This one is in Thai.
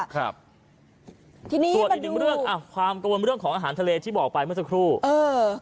ส่วนอีกหนึ่งความกระวนเรื่องของอาหารทะเลที่บอกไปเมื่อสักครู่